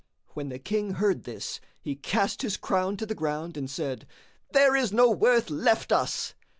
When the King heard this, he cast his crown to the ground and said, "There is no worth left us!"